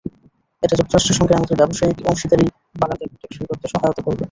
এটা যুক্তরাষ্ট্রের সঙ্গে আমাদের ব্যবসায়িক অংশীদারি বাড়াতে এবং টেকসই করতে সহায়তা করবে।